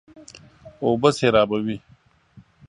اوبه سېرابوي.